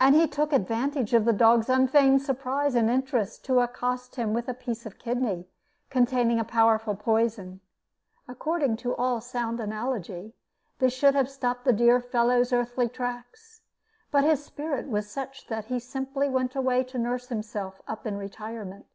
And he took advantage of the dog's unfeigned surprise and interest to accost him with a piece of kidney containing a powerful poison. According to all sound analogy, this should have stopped the dear fellow's earthly tracks; but his spirit was such that he simply went away to nurse himself up in retirement.